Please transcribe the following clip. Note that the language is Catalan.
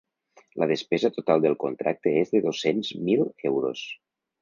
La despesa total del contracte és de dos-cents mil euros.